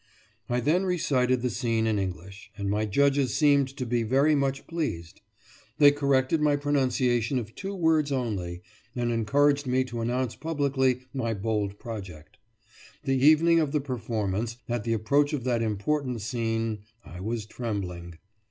I then recited the scene in English, and my judges seemed to be very much pleased. They corrected my pronunciation of two words only, and encouraged me to announce publicly my bold project. The evening of the performance, at the approach of that important scene, I was trembling!